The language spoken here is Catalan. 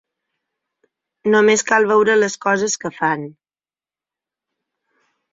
Només cal veure les coses que fan.